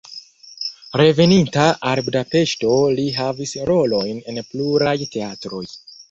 Reveninta al Budapeŝto li havis rolojn en pluraj teatroj.